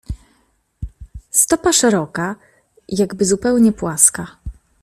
"Stopa szeroka, jakby zupełnie płaska."